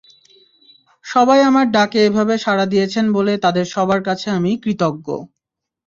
সবাই আমার ডাকে এভাবে সাড়া দিয়েছেন বলে তাঁদের সবার কাছে আমি কৃতজ্ঞ।